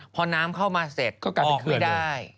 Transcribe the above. พอน้ำเข้ามาเสร็จไม่ก็ได้